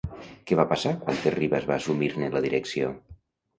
Què va passar quan Terribas va assumir-ne la direcció?